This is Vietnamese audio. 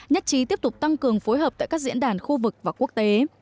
nhất trí tiếp tục tăng cường phối hợp tại các diễn đàn khu vực và quốc tế